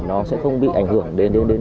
nó sẽ không bị ảnh hưởng đến